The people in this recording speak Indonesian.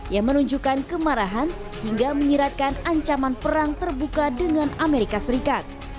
yang menunjukkan kemarahan hingga menyiratkan ancaman perang terbuka dengan amerika serikat